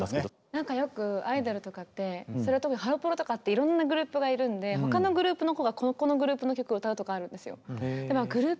なんかよくアイドルとかって特にハロプロとかっていろんなグループがいるんで他のグループの子がこのグループの曲を歌うとかあるんですよ。